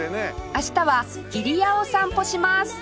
明日は入谷を散歩します